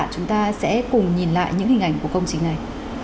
chúng ta sẽ cùng nhìn lại những hình ảnh của công trình này